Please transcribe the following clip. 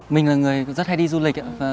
mình là người rất hay đi du lịch